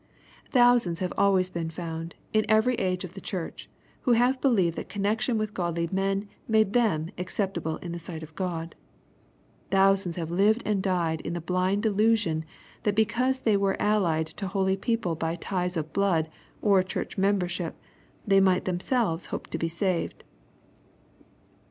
Thousands \ 92 KXPOSITOBY THOUGHTS. have Si ways been found, in every age of the churchy who have believed that connextion with godly men made them acceptable in the sight of God. Thousands have lived and died in the blind delusion^ that because they « were allied to holy people by ties of blood or church membership, they might themselves hope to be saved.